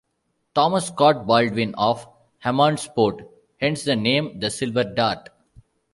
Thomas Scott Baldwin of Hammondsport; hence the name the "Silver Dart".